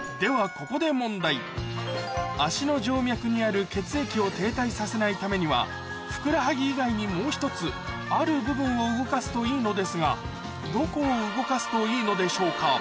ここで足の静脈にある血液を停滞させないためにはふくらはぎ以外にもう１つある部分を動かすといいのですがどこを動かすといいのでしょうか？